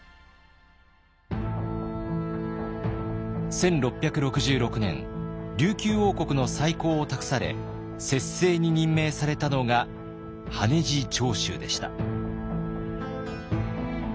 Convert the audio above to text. １６６６年琉球王国の再興を託され摂政に任命されたのが羽地朝秀でした。